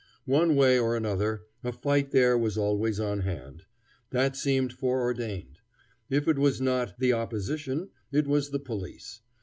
One way or another, a fight there was always on hand. That seemed foreordained. If it was not "the opposition" it was the police.